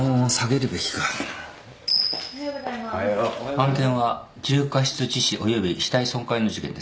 案件は重過失致死および死体損壊の事件です。